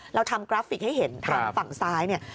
เราทำกราฟิกให้เห็นทางฝั่งซ้ายเนี่ย